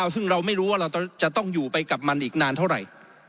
ซึ่งเราไม่รู้ว่าเราจะต้องอยู่ไปกับมันอีกนานเท่าไหร่